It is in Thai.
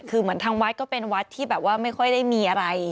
คือเหมือนทางวัดก็เป็นวัดที่แบบว่าไม่ค่อยได้มีอะไร